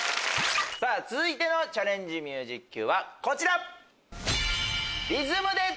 続いてのチャレンジミュージッＱこちら！